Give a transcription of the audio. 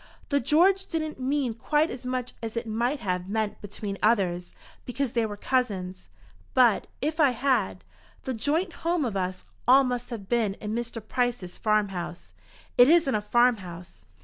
The "George" didn't mean quite as much as it might have meant between others, because they were cousins. "But, if I had, the joint home of us all must have been in Mr. Price's farm house." "It isn't a farm house."